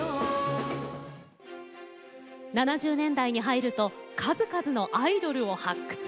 ７０年代に入ると数々のアイドルを発掘。